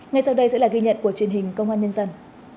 ngay sau đây sẽ là ghi nhận của truyền hình công an nhân dân